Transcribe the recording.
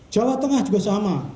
jawa tengah juga sama